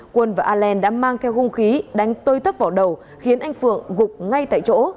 quân và allen đã mang theo hung khí đánh tơi thấp vào đầu khiến anh phượng gục ngay tại chỗ